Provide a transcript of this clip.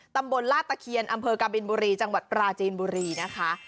ตำบลลาดตะเคียนอำเภอกบินบุรีจังหวัดปราจีนบุรีนะคะ